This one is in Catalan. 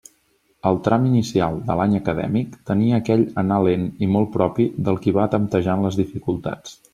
El tram inicial de l'any acadèmic tenia aquell anar lent i molt propi del qui va temptejant les dificultats.